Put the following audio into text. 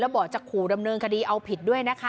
บอกจะขู่ดำเนินคดีเอาผิดด้วยนะคะ